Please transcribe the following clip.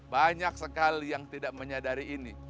banyak sekali yang tidak menyadari ini